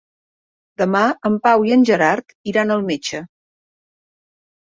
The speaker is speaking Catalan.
Demà en Pau i en Gerard iran al metge.